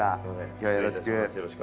今日はよろしく。